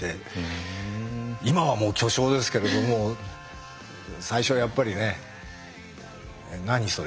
今はもう巨匠ですけれども最初はやっぱりね「何それ？」